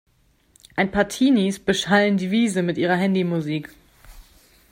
Ein paar Teenies beschallen die Wiese mit ihrer Handymusik.